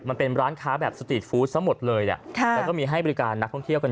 มันเป็นร้านค้าแบบสตรีทฟู้ดซะหมดเลยแล้วก็มีให้บริการนักท่องเที่ยวกัน